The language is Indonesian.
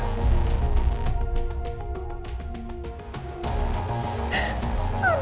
kamu gak tau terima kasih